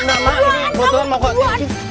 nah mak ini kebetulan mau ke